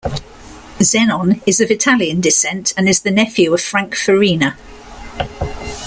Zenon is of Italian descent and is the nephew of Frank Farina.